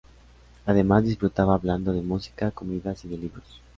Además disfruta hablando de música, comidas y de libros.